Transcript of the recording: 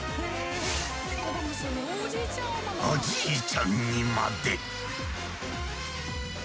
おじいちゃんにまで。